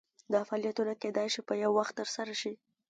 دا فعالیتونه کیدای شي په یو وخت ترسره شي.